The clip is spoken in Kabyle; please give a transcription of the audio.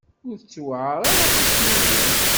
Ur ttewɛaṛ aṭas yid-i.